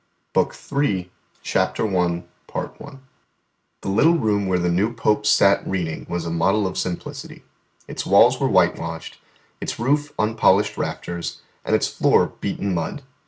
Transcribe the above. BOOK III THE VICTORY CHAPTER I I The little room where the new Pope sat reading was a model of simplicity. Its walls were whitewashed, its roof unpolished rafters, and its floor beaten mud.